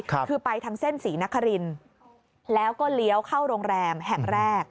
คือไปทางเส้นศรีนครินแล้วก็เลี้ยวเข้าโรงแรมแห่งแรก